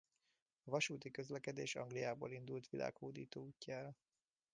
A vasúti közlekedés Angliából indult világhódító útjára.